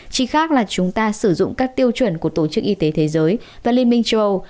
chỉ khác là chúng ta sử dụng các tiêu chuẩn của tổ chức y tế thế giới và liên minh châu âu